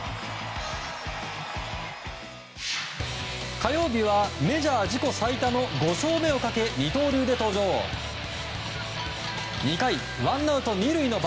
火曜日はメジャー自己最多の５勝目をかけ二刀流で登場。